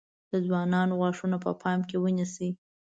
د ځوانانو غاښونه په پام کې ونیسئ.